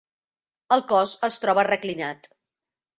El cos es troba reclinat.